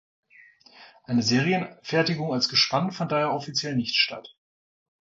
Eine Serienfertigung als Gespann fand daher offiziell nicht statt.